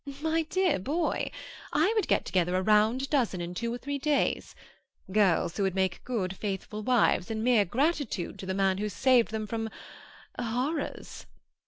"My dear boy, I would get together a round dozen in two or three days. Girls who would make good, faithful wives, in mere gratitude to the man who saved them from—horrors."